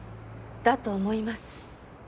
だと思います。